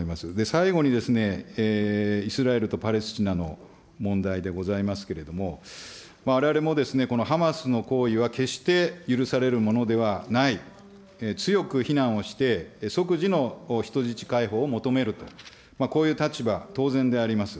最後にですね、イスラエルとパレスチナの問題でございますけれども、われわれもですね、ハマスの行為は決して許されるものではない、強く非難をして、即時の人質解放を求めると、こういう立場、当然であります。